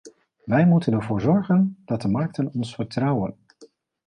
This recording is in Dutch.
Wij moeten ervoor zorgen dat de markten ons vertrouwen.